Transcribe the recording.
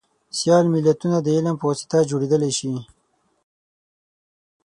سیال ملتونه دعلم په واسطه جوړیدلی شي